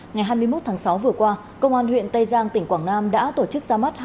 ngày hai mươi một tháng sáu vừa qua công an huyện tây giang tỉnh quảng nam đã tổ chức ra mắt